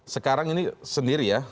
sekarang ini sendiri ya